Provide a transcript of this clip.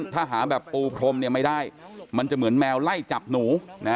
ถ้าหาแบบปูพรมไม่ได้มันจะเหมือนแมวไล่จับหนู